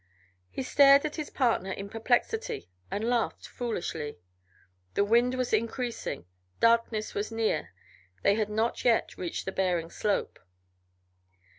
He stared at his partner in perplexity and laughed foolishly. The wind was increasing, darkness was near, they had not yet reached the Bering slope.